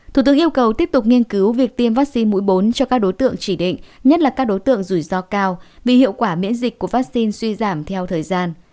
thủ tướng yêu cầu tiếp tục nghiên cứu việc tiêm vaccine mũi bốn cho các đối tượng chỉ định nhất là các đối tượng rủi ro cao vì hiệu quả miễn dịch của vaccine suy giảm theo thời gian